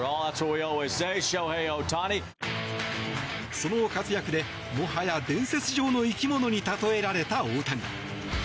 その活躍でもはや伝説上の生き物に例えられた大谷。